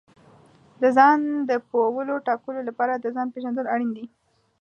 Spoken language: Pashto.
د ځان د پولو ټاکلو لپاره د ځان پېژندل اړین دي.